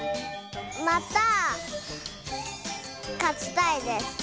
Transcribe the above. またかちたいです。